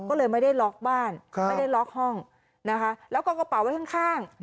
ก็เลยไม่ได้ล็อกบ้านไม่ได้ล็อกห้องนะคะแล้วก็กระเป๋าไว้ข้าง